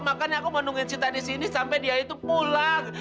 makanya aku mau nungguin sita di sini sampai dia itu pulang